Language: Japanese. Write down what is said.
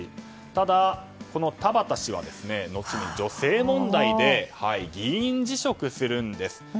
ただこの田畑氏は、のちに女性問題で議員辞職するんです。